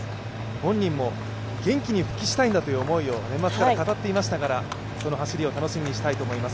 本人も、元気に復帰したいんだという思いを年末から語っていましたからその走りを楽しみにしたいと思います。